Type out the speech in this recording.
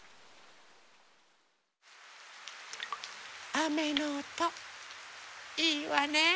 あめのおといいわね。